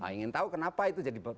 ingin tahu kenapa itu jadi